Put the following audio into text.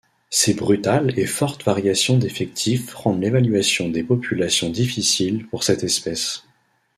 Ces brutales et fortes variations d'effectifs rendent l’évaluation des populations difficiles pour cette espèce.